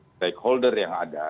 stakeholders yang ada